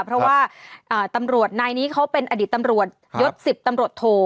เพราะว่าตำรวจนายนี้เขาเป็นอดีตตำรวจยศ๑๐ตำรวจโท